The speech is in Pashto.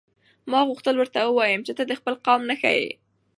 ما غوښتل ورته ووایم چې ته د خپل قوم نښه یې.